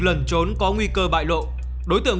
lẩn trốn có nguy cơ bại lộ đối tượng